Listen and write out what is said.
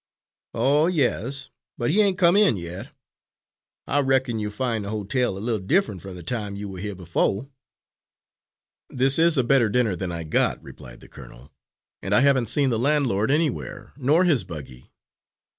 "Oh, yes, but he ain't come in yet. I reckon you find the ho tel a little different from the time you were here befo'." "This is a better dinner than I got," replied the colonel, "and I haven't seen the landlord anywhere, nor his buggy."